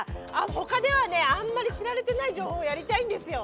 他ではね、あんまり知られてない情報をやりたいんですよ！